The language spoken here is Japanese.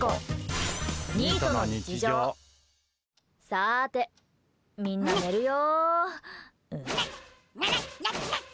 さて、みんな寝るよ。